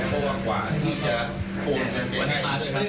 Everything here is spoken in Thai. เพราะว่ากว่าที่จะโปรดเซ็นเตรียมให้